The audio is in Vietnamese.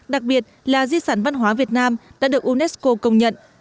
đặc biệt là di sản văn hóa việt nam đã được unesco công nhận